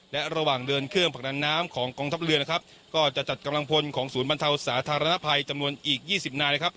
และระหว่างเดินเครื่องผลักดันน้ำของกองทัพเรือนะครับก็จะจัดกำลังพลของศูนย์บรรเทาสาธารณภัยจำนวนอีก๒๐นายนะครับ